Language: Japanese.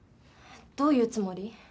どういうつもり？